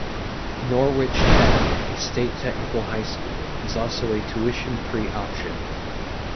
Norwich Tech, a state technical high school, is also a tuition-free option.